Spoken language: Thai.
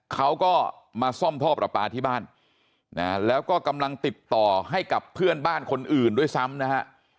เขาก็มาซ่อมท่อประปาที่บ้านนะแล้วก็กำลังติดต่อให้กับเพื่อนบ้านคนอื่นด้วยซ้ำนะฮะ